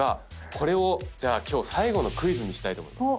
これを今日最後のクイズにしたいと思います。